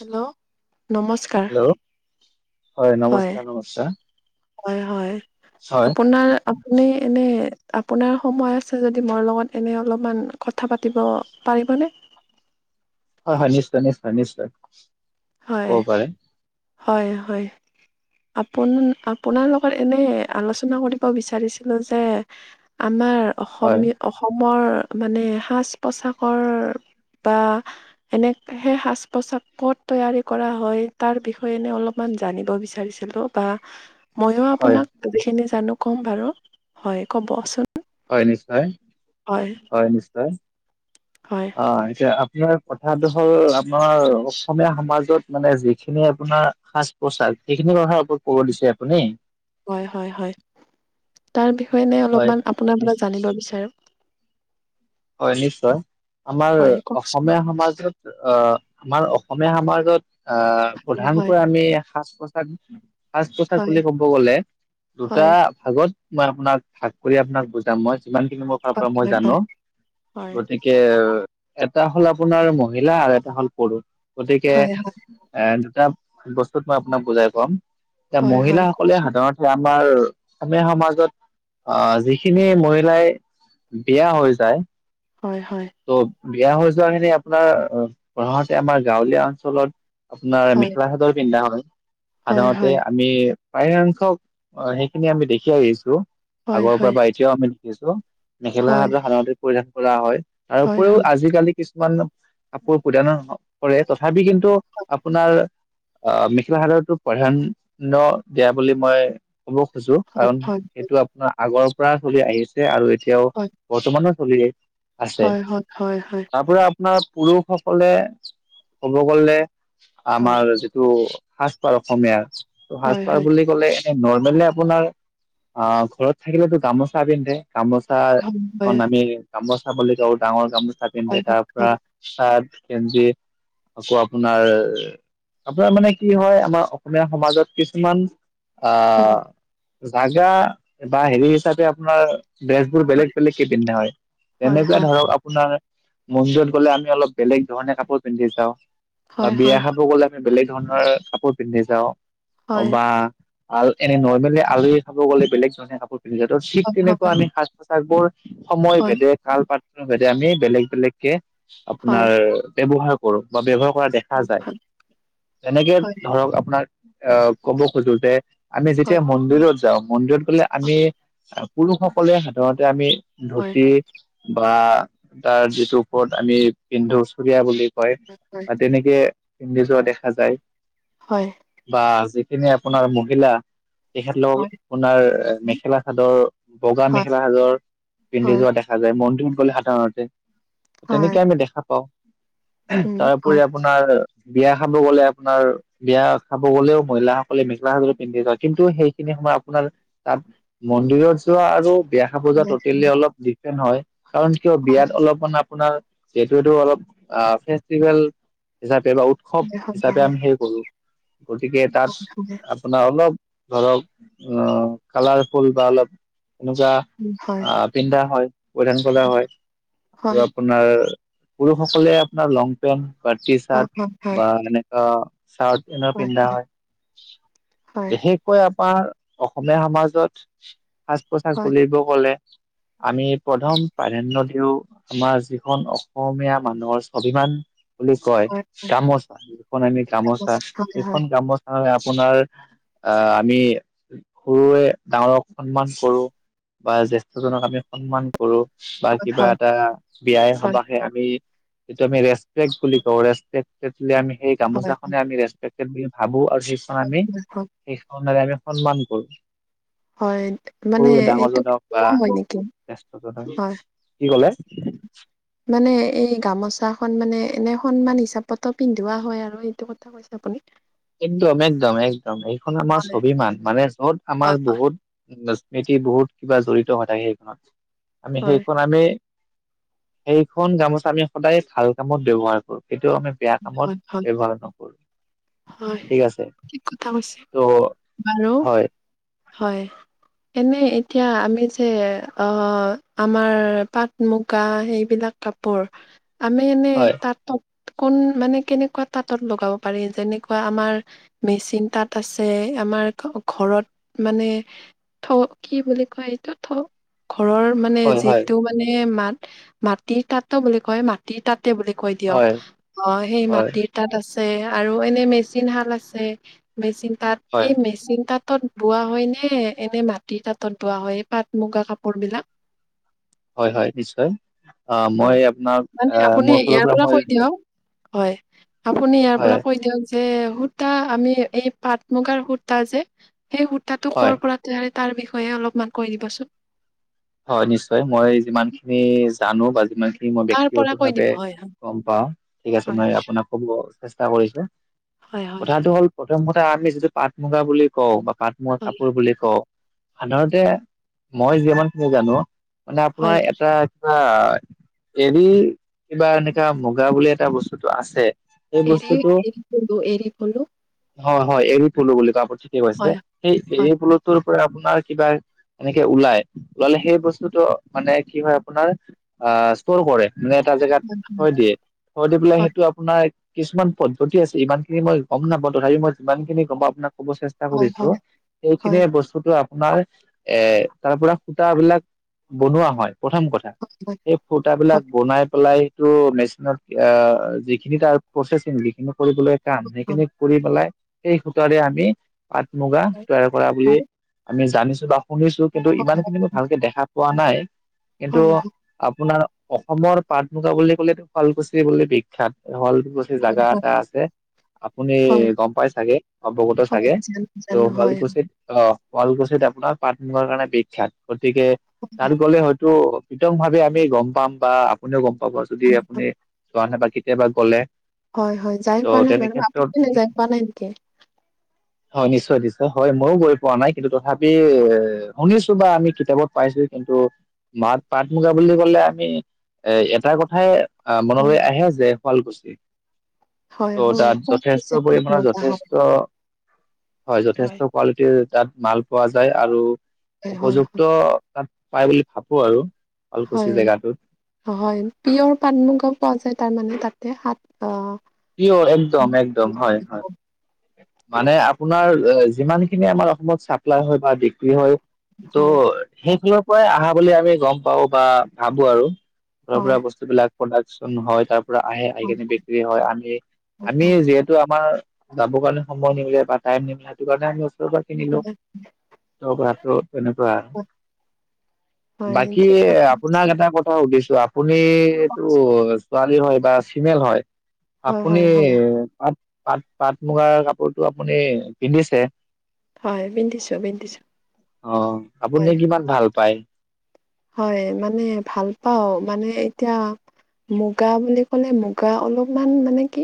Hello! নমস্কাৰ। Hello হয়, নমস্কাৰ নমস্কাৰ হয়, হয়, হয় আপোনাৰ আপুনি এনে আপোনাৰ সময় আছে যদি মোৰ লগত এনে অলপমান কথা পাতিব পাৰিবনে? হয়, হয়, নিশ্চয়, নিশ্চয়, নিশ্চয়। হয় ক'ব পাৰে। হয়, হয়। আপোন- আপোনাৰ লগত এনে আলোচনা কৰিব বিচাৰিছিলোঁ যে আমাৰ হয় অসমীয়া অসমৰ মানে সাজ পোচাকৰ বা এনে সেই সাজ পোছাক ক'ত তৈয়াৰী কৰা হয়, তাৰ বিষ য়ে অলপমান জানিব বিচাৰিছিলোঁ বা ময়ো হয় আপোনাক যিখিনি জানো ক'ম বাৰু হয়, ক'বচোন। হয়, নিশ্চয় হয়, নিশ্চয়। হয়। অ', এতিয়া আপোনাৰ কথাটো হ'ল আপোনাৰ অসমীয়া সমাজত মানে যিখিনি আপোনাৰ সাজ পোচাক সেইখিনি কথাৰ ওপৰত ক'ব দিছে আপুনি? হয়, হয়, হয়। তাৰ বিষয়ে এনেই হয় অলপমান আপোনাৰ পৰা নিশ্চয় জানিব বিচাৰোঁ। হয় নিশ্চয়। আমাৰ হয়, কওকচোন। অসমীয়া সমাজত অ' আমাৰ অসমীয়া সমাজত আ, হয়, প্ৰধানকৈ আমি সাজ পো সাজ, সাজ পোচাক হয়, বুলি ক'ব গ'লে দুটা হয়, ভাগত মই আপোনাক ভাগ কৰি আপোনাক বুজাম, মই যিমানখিনি মোৰ হয়, ফালৰপৰা মই হয়, জানো। হয়। হয়, গতিকে এটা হ'ল আপোনাৰ মহিলা আৰু এটা হল পুৰুষ। গতিকে হয়, এ, দুটা বস্তুত মই আপোনাক বুজাই ক'ম। এ, হয়, হয়, মহিলাসকলে কওকচোন। সাধাৰণতে আমাৰ অসমীয়া সমাজত অ' যিখিনি মহিলাই বিয়া হৈ যায় হয় হয়। ত' বিয়া হৈ যোৱাখিনি আপোনাৰ লগতে আমাৰ গাঁৱলীয়া অঞ্চলত আপোনাৰ হয়, মেখেলা চাদৰ পিন্ধা হয়। হয়, সাধাৰণতে হয়, আমি প্ৰায়সংখ্যক সেইখিনি আমি দেখি আহিছো হয়, আগৰপৰা হয়। বা এতিয়াও আমি দেখিছোঁ। মেখেলা হয়, চাদৰ সাধাৰণতে পৰিধান কৰা হয় তাৰ হয়, উপৰিও আজিকালি কিছুমান কিমান কাপোৰ পৰিধান কৰে তথাপি কিন্তু আপোনাৰ অ' মেখেলা চাদৰটো প্ৰধান্য দিয়া বুলি মই ক'ব খোজো হয়, কাৰণ হয়, সেইটো আপোনাৰ আগৰপৰা চলি আহিছে আৰু এতিয়াও বৰ্তমানৰ চলে। হয় হয়। হয় হয়। তাৰপৰা আপোনাৰ পুৰুষসকলে ক'ব গলে আমাৰ যিটো সাজপাৰ অসমীয়াৰ, ত' হয়, সাজপাৰ হয়, হয়, বুলি ক'লে নৰ্মেলি আপোনাৰ অ' ঘৰত থাকিলেতো গামোচা পিন্ধে। গামোচাখন আমি গামোচা বুলি কওঁ, ডাঙৰ গামোচা পিন্ধে হয়, হয়, হয়, হয়, হয়, তাৰপৰা হয়। চাৰ্ট, গেঞ্জী আকৌ আপোনাৰ, আপোনাৰ মানে কি হয় আমাৰ অসমীয়া সমাজত কিছুমান আ, জাগা বা হেৰি হিচাপে আপোনাৰ দেজ বোৰ বেলেগ বেলেগকে পিন্ধা হয়, হয়, যেনেকুৱা হয়, ধৰক আপোনাৰ মন্দিৰত গ'লে আমি অলপ বেলেগ ধৰণে কাপোৰ পিন্ধি যাওঁ বা হয়, হয়, হয়, বিয়া হয়, খাব গ'লে বেলেগ ধৰণেৰে কাপোৰ পিন্ধি যাওঁ হয়, হয়, বা আৰু এনে নৰ্মেলি আলহী খাব গলে বেলেগ ধৰণে কাপোৰ পিন্ধি যায়। ত' ঠিক হয়, হয়, হয়, হয়, তেনেকুৱা আমি সাজ পোচাকবোৰ সময় ভেদে কালপাত্ৰ ভেদে আমি বেলেগ বেলেগকে আপোনাৰ ব্যৱহাৰ কৰো বা ব্যৱহাৰ কৰা দেখা যায়। এনেকে হয়, ধৰক আপোনাৰ আ, ক'ব খোজো যে আমি যেতিয়া মন্দিৰত যাওঁ মন্দিৰত গ'লে আমি পুৰুষসকলে সাধাৰণতে আমি ধুতি হয়, বা তাৰ যিটো ওপৰত আমি পিন্ধো চুৰিয়া বুলি কয় বা তেনেকে পিন্ধি যোৱা দেখা যায়। হয়। বা যিখিনি আপোনাৰ মহিলা তেখেতলোক হয়, আপোনাৰ মেখেলা চাদৰ, বগা হয়, মেখেলা সাদৰ পিন্ধি হয়। যোৱা দেখা দো যায়, মন্দিৰত গ'লে সাধাৰণতে তেনেকে আমি দেখা পাও, তাৰপৰি আপোনাৰ বিয়া খাব গ'লে আপোনাৰ বিয়া খাব গ'লেও মহিলাসকলে মেখেলা চাদৰ পিন্ধি যায় কিন্তু সেইখিনি সময় আপোনাৰ তাত মন্দিৰত যোৱা আৰু বিয়া খাব যোৱা টটেলি অলপ ডিফেণ্ট হয় কাৰণ কিয় বিয়াত অলপমান আপোনাৰ যিহেতু এইটো অলপ ফেষ্টিভেল হিচাপে বা উৎসৱ হিচাপে আমি সেই কৰোঁ, গতিকে তাত আপোনাৰ অলপ ধৰক অ' কালাৰ ফুল বা অলপ এনেকুৱা আ, পিন্ধা হয়, প্ৰধান কলা হয়, আৰু আপোনাৰ পুৰুষসকলে আপোনাৰ লং পেণ্ট বা টি চাৰ্ট বা এনেকুৱা চাৰ্ট এনে পিন্ধা হয়। বিশেষ বিশষকৈ আমাৰ অসমীয়া সমাজত সাজ পোছাক বুলিব গ'লে আমি প্ৰথম প্ৰাধাণ্য দিওঁ আমাৰ যিখন অসমীয়া মানুহৰ স্বাভিমান বুলি কয় গামোচা। যিখন আমি গামোচা সেইখন গামচা হয় আপোনাৰ আ আমি সৰুৱে ডাঙৰক সন্মান কৰো বা জেস্থজনক আমি সন্মান কৰো, বা কিবা এটা বিয়াই সবাহে আমি এইটো আমি ৰেষ্ট পেক্ট বুলি কওঁ, ৰেচপেক্টেড বুলি সেই গামোচাখনে আমি ৰেচপেক্টেড বুলি ভাবো আৰু ৰন আমি সেইখনৰে আমি সন্মান কৰো। হয় মানে এইটো ডাঙৰজনক বা হয় নেকি? হয়, কি ক'লে? মানে এই গামোচাখন মানে এনে সন্মান হিচাপতো পিন্ধোৱা হয় আৰু সেইটো কথা। কি কৈছে আপুনি? একদম একদম একদম এইখন আমাৰ হয়, স্বভিমান। মানে য'ত আমাৰ হয়, বহুত স্মৃতি বহুত কিবা জড়িত হৈ থাকে সেইখনত। আমি হয়, সেইখন আমি সেইখন গামোচ আমি সদায় ভাল কামত ব্যৱহাৰ কৰো। সেইটোও আমি বেয়া কামত হয়, হয়, হয়, ব্যয়ৱহাৰ নকৰো। হয় ঠিক আছে ঠিক কথা কৈছে। ত' বাৰু হয় হয়। এনে এতিয়া আমি যে অ' আমাৰ পাট মুগা সেইবিলাক কাপোৰ আমি এনে হয় তাত কোন মানে কেনেকুৱা তাঁতত লগাব পাৰি? যেনেকুৱা আমাৰ মেচিন তাত আছে, আমাৰ ঘৰত মানে থ কি বুলি কয় এইটো থ ঘৰৰ মানে হয় হয় যিটো মানে মাত মাটিৰ তাঁতো বুলি কয়, মাটিৰ তাঁত তে বুলি কৈ দিয়ক। হয় অ' সেই হয় মাটিত তাত আছে। আৰু এনে মেচিন শাল আছে। মেচিন তাত হয় এই মেচিন তাতত বোৱা হয় নে? এনে মাটিৰ তাতত বোৱা হয় এই পাট মুগা কাপোৰ বিলাক? হয়, হয় নিশ্চয় অ' হয়, মই আপোনাক মানে আপুনি মোৰ ফালৰ ইয়াৰ পৰা কৈ মই দিয়ক হয়। আপুনি ইয়াৰ হয় পৰা কৈ দিয়ক যে সূতা আমি এই পাট মুগাৰ সূতা যে সেই সূতাটো হয় ক'ৰ পৰা তৈয়াৰী, তাৰ বিষয়ে অলপমান কৈ দিবচোন? হয়, নিশ্চয়, মই যিমান খিনি জানো বা যিমান খিনি মই তাৰ বক্তিগত পৰা কৈ দিব ভাৱে হয়, গ'ম পাওঁ, ঠিক আছে হয়, মই আপোনাক ক'ব চেষ্টা কৰিছো। হয়, হয়, কথাটো হয়, হ'ল প্ৰথমতে আমি যিটো পাট মুগা বুলি কওঁ বা পাট মুগা হয়, কাপোৰ বুলি কওঁ সাধাৰতে মই যিমান খিনি জানো, মানে হয়। আপোনাৰ এটা বা এৰি কিবা এনেকা মুগা বুলি এটা বস্তুটো আছে। সেই এৰি বস্তুটো এৰি পলু এৰি পলু। হয়, হয় এৰি পলু বুলি কয়, আপুনি ঠিকেই কৈছে। হয়, সেই হয়, এৰি পলুটোৰ পৰা আপোনাৰ কিবা এনেকে ওলাই। ওলালে সেই বস্তুতটো মানে কি হয় আপোনাৰ আহ ষ্টৰ কৰে। মানে এটা জেগাত থৈ দিয়ে, থৈ দি পেলাই হয়, সেইটো আপোনাৰ কিছুমান পদ্ধতি আছে, ইমান খিনি মই গ'ম নাপাওঁ তথাপি মই যিমান খিনি গ'ম পাওঁ আপোনাক ক'ব চেষ্টা চেষ্টা হয়, কৰিছো, হয়, সেইখিনি হয়, হয়, বস্তুতে আপোনাৰ এ তাৰ পৰা সুতাবিলাক বনোৱা হয় প্ৰথম কথা। হয়। সেই সুতাবিলাক বনাই পেলাই তো মেচিনত যিখিনি তাৰ প্ৰচেছিং যিখি কৰিবলগীয়া কাম হয়, সেইখিনি কৰি পেলাই সেই সূতাৰে আমি পাট-মুগা তৈয়াৰ কৰা বুলি হয়, আমি জানিছো বা শুনিছো। কিন্তু ইমান হয়, খিনি ভালকে দেখা পোৱা নাই। কিন্তু হয়, আপোনাৰ অসমৰ পাট-মুগা বুলি ক'লে শুৱালকুছি বুলি বিখ্যাত। শুৱালকুছি হয়, জাগা হয়, এটা আছে আপুনি হয়, গ'ম পাই চাগে অৱগত হয়, চাগে। জানো, ত' জানো, হয়, শুৱালকুছিত- অ', শুৱালকুছিত আপোনাৰ পাট-মুগাৰ কাৰণে বিখ্যাত গতিকে তাত গলে হয়তো বিতং ভাৱে আমি গম পাম বা আপুনিও গম পাব যদি আপুনি যোৱা নাই বা কেতিয়াবা গ'লে। হয় হয় যাই পোৱা ত' নাই তেনে বাৰু ক্ষেত্ৰত [unintelligible] যাই পোৱা নাই নেকি? হয় নিশ্চয় নিশ্চয় হয় ময়ো গৈ পোৱা নাই কিন্তু তথাপি এ শুনিছো বা আমি কিতাপত পাইছো কিন্তু মাত পাট-মুগা বুলি কলে আমি এ এটা কথাই আহ হয়, মনলৈ আহে যে শুৱালকুছি। হয়, হ ত' তাত হয়, পিছে যথেষ্ট পাট পৰিমাৰ মুগা হয়, যথেষ্ট হয় যথেষ্ট কৱালিটিৰ তাত মাল পোৱা যায় আৰু হয়, উপযুক্ত হয়, ত পাই বুলি ভাবো আৰু। শুৱালকুছি হয় জেগাটোত হয় পিয়'ৰ পাট মুূগাও পোৱা যায় তাৰমানে তাতে সাত পিয়ৰ' একদম একদম হয় হয়। মানে আপোনাৰ যিমান খিনি আমাৰ অসমত চাপ্লাই হয় বা বিক্ৰী হয় ত' হয়, সেই [unintelligible] পৰাই আহা বুলি আমি গম পাও বা ভাবো আৰু। [unintelligible] পৰা হয়, বস্তু বিলাক প্ৰডাকচন হয় তাৰ পৰা আহে আহি হয়, খিনি বিক্ৰী হয় আমি হয়, আমি হয়, যিহেতু আমাৰ যাবৰ কাৰণে সময় নিমিলে বা টাইম নিমিলে সেইটো কাৰণে আমি হয়, [unintelligible] তেনেকুৱা হয়, হয়, বাকী ঠিক কথা আপোনাক এটা কথা সুধিছো আপুনিটো ছোৱালী হয় বা ফিমেল হয়। হয়, আপুনি হয়, হয়, পাট পাট পাট মুগাৰ কাপোৰতটো আপুনি পিন্ধিছে। হয়, পিন্ধিছো, পিন্ধিছো, অ', আপুনি হয়, কিমান ভাল পায়? হয় মানে ভাল পাওঁ মানে এতিয়া মুগা বুলি ক'লে মুগা অলপমান মানে কি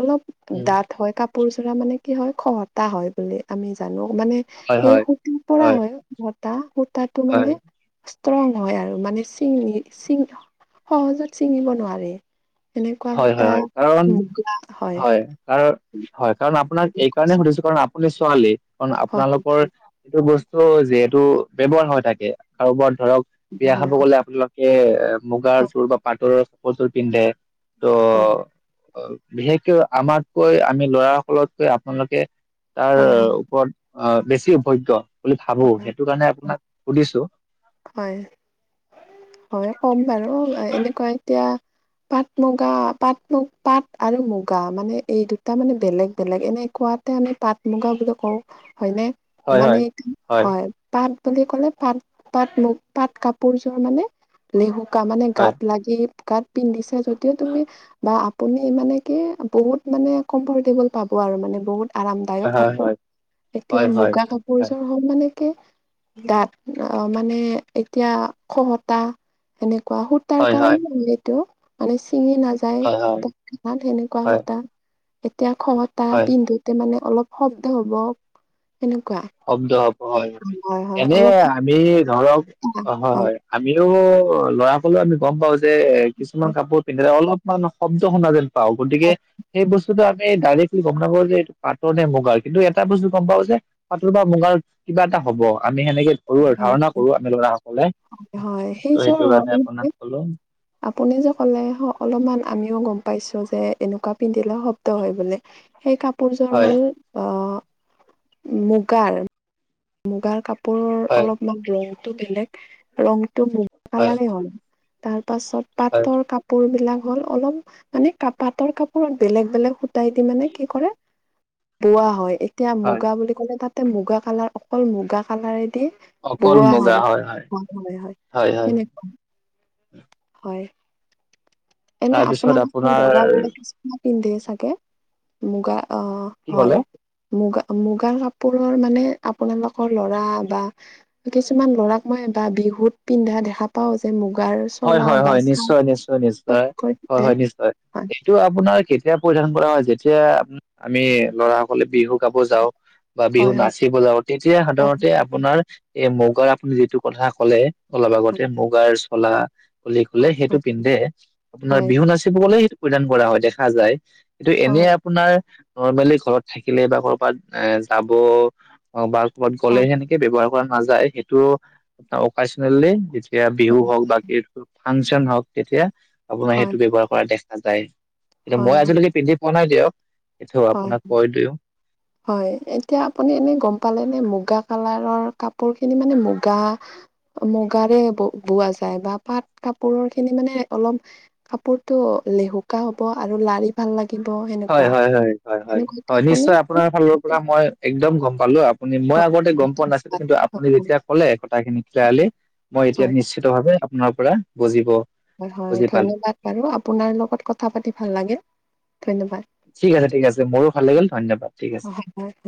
অলপ উম ডাত হয় কাপোৰযোৰা মানে কি হয় খহতা হয় বুলি আমি জানো মানে হয় সেই হয় সূতাৰ পৰা হয় বতা সূতাটো হয় মানে ষ্ট্ৰং হয় আৰু মানে চিঙ চিঙ সহজত চিঙিব নোৱাৰে। তেনেকুৱা হয় সূতা হয় হয় কাৰণ মূগা হয় কাৰ হয় কাৰণ আপোনাক এই কাৰণে সুধিছো কাৰণ আপুনি ছোৱালী। কাৰণ হয় আপোনালোকৰ এইটো বস্তু যিহেতু ব্যৱহাৰ হৈ থাকে কাৰোবাৰ ধৰক হয় বিয়া হয় হয় খাব গলে আপোনালোকে এ মুগাৰ জোৰ বা পাটৰৰ কাপৰ জোৰ পিন্ধে। ত' হয় বিশেষকে আমাতকৈ আমি ল'ৰা সকলতকৈ আপোনালোকে তাৰ হয় ওপৰত অ', বেছি অভিজ্ঞ বুলি ভাবো হয় সেইটো কাৰণে আপোনাক সুধিছো। হয় হয় কম বাৰু এনেকুৱা এতিয়া পাট মুগা পাট মুগ পাট আৰু মুগা মানে এই দুটা মানে বেলেগ বেলেগ এনেকুৱাত তাতে আমি পাট মুগা বুলি কওঁ হয়নে। হয় মানে হয়। হয় পাত বুলি ক'লে পাত পাট মু পাট কাপোৰযোৰ মানে লেহুকা মানে হয় গাত লাগি গাত পিন্ধিছে যদিও তুমি বা আপুনি মানে কি বহুত মানে কম্ফৰটেবুল পাব আৰু মানে বহুত আৰামদায়ক হয়, কাপোৰ হয়, এতিয়া হয়, হয়। মুগা কাপোৰযোৰ হ'ল মানেকি দাঠ অ', মানে এতিয়া খহতা সেনেকুৱা সুত হয়, তাৰ হয়, হয়, কাৰণে ম এইটো মানে ছিঙি নাযায় হয়, হয়, প সেনেকুৱা হয়, সূতা। এতিয়া খহতা হয়, পিন্ধোতে মানে অলপ শব্দ হব সেনেকুৱা। শব্দ হব হয় হয় হয় এনে অলপমান আমি ধৰক অ', হয় হয়। আমিও ল'ৰা সলেও আমি গম পাও যে কিছুমান কাপোৰ পিন্ধিলে অলপ মান শব্দ শুনা যেন পাওঁ গতিকে সেই বস্তুটো আমি ডাইৰেক্ট গম নাপাব যে এইটো পাটৰ নে মুগাৰ কিন্তু এটা বস্তু গম পাও যে পাতৰ বা মুগাৰ কিবা এটা হব আমি সেনেকে কৰো আৰু হয় ধাৰণা হয় কৰো আমি লৰা সকলে হয় ত সেইযোৰ সেইটোৰ বাবে আপোনাক কলো। আপুনি যে ক'লে অলপমান আমিও গম পাইছো যে এনেকুৱা পিন্ধিলে শব্দ হয় বুলি। সেই কাপোৰযোৰ হয়, হ'ল আহ মুগাৰ। মুগাৰ কাপোৰৰ হয়, অলপমান ৰংটো বেলেগ ৰংটো মুগা হয়, কালাৰে হ'ল। তাৰ পাছত পাটৰ হয়, কাপোৰ কাপোৰ বিলাক হ'ল অলপ মানে ক পাটৰ কাপোৰত বেলেগ বেলেগ সুতাই দি মানে কি কৰে বোৱা হয় এতিয়া হয়, মুগা বুলি ক'লে তাতে মুগা কালাৰ অকল মুগা কালাৰেদি বোৱা হয়, হয়, হয়, হয়। হয়নে? হয়, এনে তাৰপিছত আপোনালোকৰ আপোনাৰ [inaudible] পিন্ধে চাগে? মুগা আহ, কি ক'লে হয়। মুগা মুগাৰ কাপোৰৰ মানে আপোনালোকৰ ল'ৰা বা কিছুমান ল'ৰাক মই বা বিহুত পিন্ধা দেখা পাও যে মুগাৰ হয় চলা হয় বা হয় চাৰ্ট নিশ্চয় নিশ্চয় নিশ্চয় হয় পিন্ধে হয়শ্চ এছতাই হয় এইটো আপোনাৰ কেতিয়া পৰিধান কৰা হয় যেতিয়া আমি লৰা কলে বিহু গাব যাওঁ বা বিহু হয় হয় নাচিব যাওঁ তেতিয়া সাধাৰণতে আপোনাৰ এই মুগাৰ আপুনি যিটো কথা ক'লে অলপ আগতে মুগাৰ চলা, খলি খুললে হয় সেইটো হয় পিন্ধে আপোনাৰ বিহু নাচিব গলে সেইটো পৰিধান কৰা হয় দেখা যায়। কিন্তু হয় হয় হয় এনে আপোনাৰ নৰ্মেলি ঘৰত থাকিলে বা কৰ'বাত এ যাব অ, বাৰ ক'ৰবাত গ'লে সেনেকে ব্যৱহাৰ কৰা নাযায় সেইটোও অনেল এতিয়া হয় বিহু হয় হওক বাাক ফাংচন হওক তেতিয়া আপোনাৰ হয় সেইটো ব্যৱহাৰ কৰা দেখা যায়। কিন্তু হয় মই আজিলৈকে পিন্ধি পোৱা নাই দিয়ক এইটো হয় আপোনাক কৈ দিও। [unintelligible] হয়, এতিয়া আপুনি এনেই গম পালেনে মুগা কালাৰৰ কাপোৰখিনি মানে মুগা মুগাৰে ব-বোৱা যায় বা পাট কাপোৰৰ খিনি মানে অলপ, কাপোৰতটো লেহুকা হব আৰু লাৰি ভাল লাগিব হয় সেনেকুৱা। হয় হয় হয় হয় সেনেকুৱাকে হয় আপুনি নিশ্চয় আপোনাৰ হয় ফালৰ পৰা মই একদম গম পালো মই আগতে গম পোৱা নাছিলো কিন্তু আপুনি যেতিয়া ক'লে কথাখিনি ক্ললি হয় মই হয় এতিয়া নিশ্চিত ভাৱে আপোনাৰ পৰা বুজিব হয় হয় বুজি পালো ধন্যবাদ বাৰু আপোনাৰ লগত কথা পাতি ভাল লাগিল। ধন্যবাদ। ঠিক আছে ঠিক আছে মোৰো ভাল লাগিল ধন্যবাদ। ঠিক আছে। হয় হয় হয়।